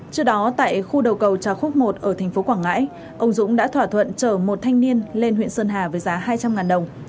trước đó tại khu đầu cầu trà khúc i ở thành phố quảng ngãi ông dũng đã thỏa thuận chở một thanh niên lên huyện sơn hà với giá hai trăm linh đồng